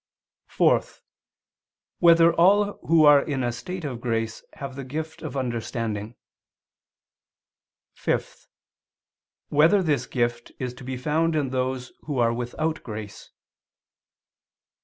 (4) Whether all who are in a state of grace have the gift of understanding? (5) Whether this gift is to be found in those who are without grace?